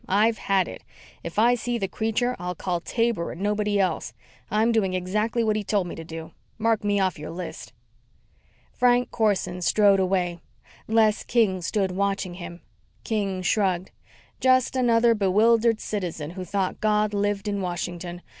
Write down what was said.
I've had it. If I see the creature I'll call Taber and nobody else. I'm going to do exactly what he told me to do. Mark me off your list." Frank Corson strode away. Les King stood watching him. King shrugged. Just another bewildered citizen who thought God lived in Washington.